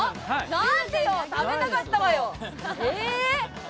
なんでよ、食べたかったわよ！